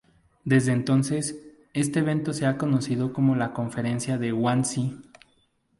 Desde entonces, este evento se ha conocido como la conferencia de Wannsee.